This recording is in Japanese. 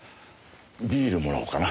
ビールもらおうかな。